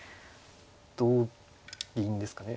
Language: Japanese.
同銀ですかね。